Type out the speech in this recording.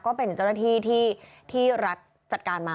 ก็เป็นเจ้าหน้าที่ที่รัฐจัดการมา